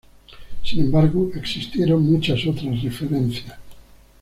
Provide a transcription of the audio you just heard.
Sin embargo, existieron muchas otras referencias.